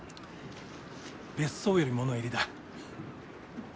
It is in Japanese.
別荘より物入りだ。